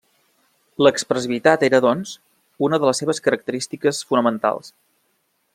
L'expressivitat era, doncs, una de les seves característiques fonamentals.